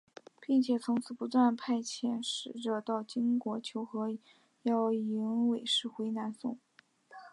并且从此不断派遣使者到金国求和要迎韦氏回南宋。